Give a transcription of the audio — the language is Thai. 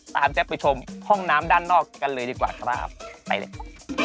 ตามแอฟผู้ชมห้องน้ำด้านนอกกันเลยดีกว่าครับไปเลยครับ